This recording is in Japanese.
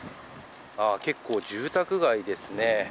結構、住宅街ですね。